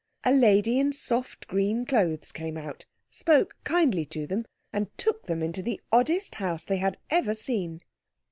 A lady in soft green clothes came out, spoke kindly to them, and took them into the oddest house they had ever seen.